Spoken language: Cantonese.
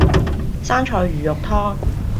生菜魚肉湯